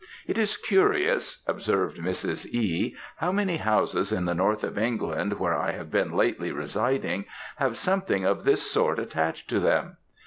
"It is curious," observed Mrs. E., "how many houses in the north of England where I have been lately residing have something of this sort attached to them.